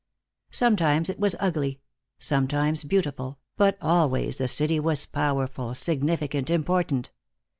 Sometimes it was ugly, sometimes beautiful, but always the city was powerful, significant, important.